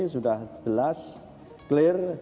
sudah jelas clear